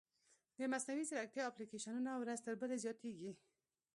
د مصنوعي ځیرکتیا اپلیکیشنونه ورځ تر بلې زیاتېږي.